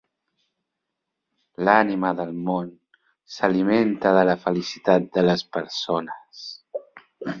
L'Ànima del món s'alimenta de la felicitat de les persones.